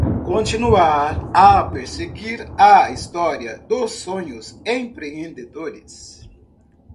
Continuar a perseguir a história dos sonhos empreendedores